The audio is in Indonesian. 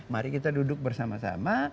mari kita duduk bersama sama